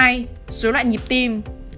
hai rối loạn nhịp tim